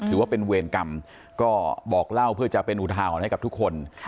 ถือว่าเป็นเวรกรรมก็บอกเล่าเพื่อจะเป็นอุทาหรณ์ให้กับทุกคน